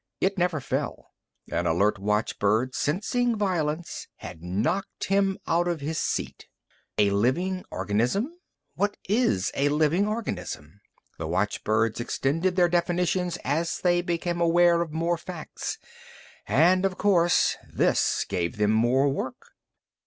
It never fell. An alert watchbird, sensing violence, had knocked him out of his seat. A living organism? What is a living organism? The watchbirds extended their definitions as they became aware of more facts. And, of course, this gave them more work.